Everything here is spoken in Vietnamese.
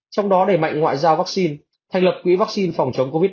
trong đó đề mạnh ngoại giao vaccine thành lập quỹ vaccine phòng chống covid một mươi chín